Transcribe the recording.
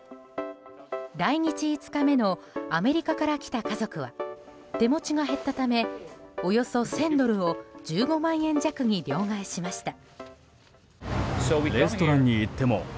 来日５日目のアメリカから来た家族は手持ちが減ったためおよそ１０００ドルを１５万円弱に両替しました。